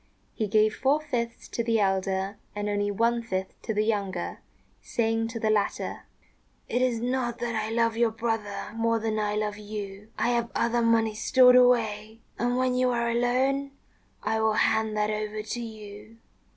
He gave four fifths to the elder and only one fifth to the younger, saying to the latter, "It is not that I love your brother more than I love you: I have other money stored away, and when you are alone I will hand that over to you."